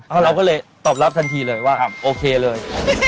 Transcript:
เราก็เลยตอบรับทันทีเลยว่าโอเคเลย